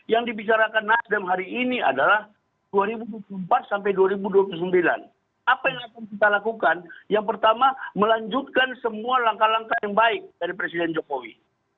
yang baik dari presiden jokowi